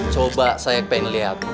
coba saya pengen lihat